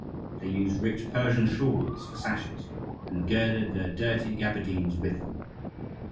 They used rich Persian shawls for sashes, and girded their dirty gaberdines with them.